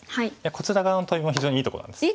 こちら側のトビも非常にいいところなんです。